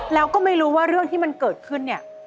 แล้วก็ไม่รู้ว่าเรื่องที่มันเกิดขึ้นเนี่ย